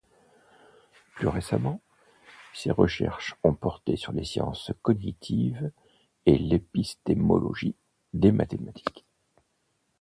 Plus récemment, ses recherches ont porté sur les sciences cognitives et l'épistémologie des mathématiques.